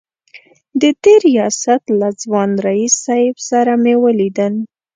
د دې ریاست له ځوان رییس صیب سره مې ولیدل.